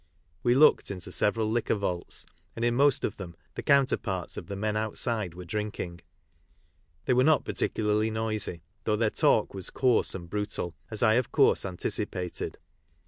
We looked into several liquor vaults, and in most of them the counterparts of the men outside were drinking. They were not particularly noisy, though their talk was coarse and brutal, as I of course anticipated.